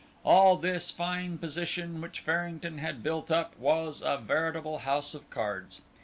All this fine position which Farrington had built up was a veritable house of cards.